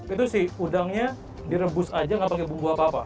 itu sih udangnya direbus aja nggak pakai bumbu apa apa